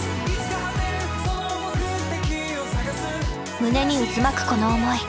胸に渦巻くこの思い。